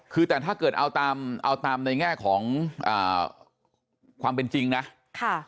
คือแต่ถ้าเกิดเอาตามเอาตามในแง่ของอ่าความเป็นจริงนะค่ะ